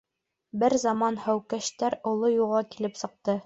Бер заман һәүкәштәр оло юлға килеп сыҡты.